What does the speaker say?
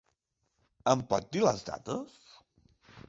Em pot dir les dates?